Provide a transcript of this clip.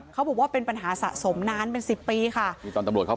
เขาบอกว่าเป็นปัญหาสะสมนานเป็น๑๐ปีค่ะ